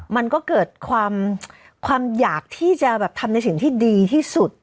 มันก็เกิดความอยากที่จะแบบทำในสิ่งที่ดีที่สุด